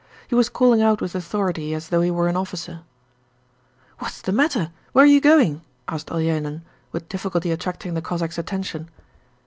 He was calling out with authority as though he were an officer. 'What is the matter? Where are you going?' asked Olenin, with difficulty attracting the Cossacks' attention.